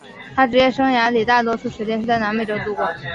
他职业生涯里大多数时间是在南美洲度过。